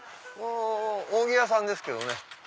扇屋さんですけどね。